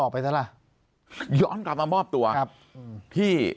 ปากกับภาคภูมิ